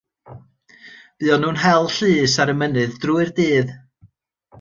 Buon nhw'n hel llus ar y mynydd drwy'r dydd.